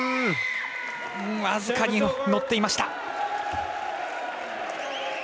僅かに乗っていました。